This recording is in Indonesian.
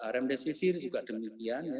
remdesivir juga demikian